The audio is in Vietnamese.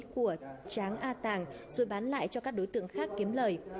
của tráng a tàng rồi bán lại cho các đối tượng khác kiếm lời